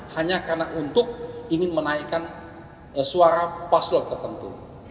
hanya karena untuk ingin menaikkan suara paslon tertentu